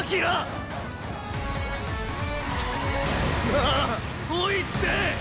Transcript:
なあおいって！